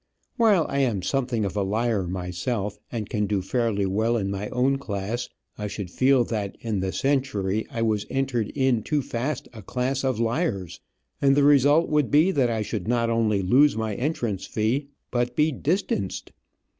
While I am something of a liar myself, and can do fairly well in my own class, I should feel that in the Century I was entered in too fast a class of liars, and the result would be that I should not only lose my entrance fee, but be distanced.